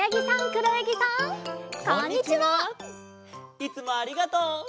いつもありがとう！